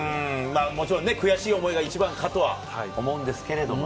悔しい思いが一番かと思うんですけれども。